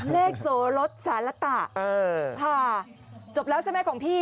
เลขโสรสระตะจบแล้วใช่ไหมของพี่